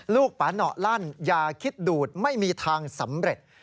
ปาหน่อลั่นอย่าคิดดูดไม่มีทางสำเร็จ